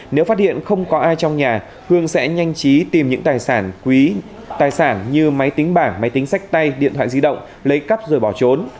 nếu phát hiện không có ai trong nhà hương sẽ nhanh chí tìm những tài sản quý tài sản như máy tính bảng máy tính sách tay điện thoại di động lấy cắp rồi bỏ trốn